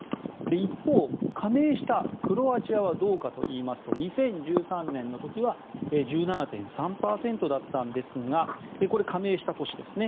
一方、加盟したクロアチアはどうかというと２０１３年の時は１７．３％だったんですがこれ加盟した年ですね。